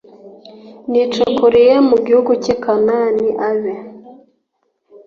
nicukuriye mu gihugu cy i kanani abe